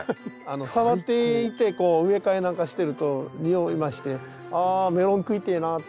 触っていてこう植え替えなんかしてると匂いまして「あメロン食いてえな」って。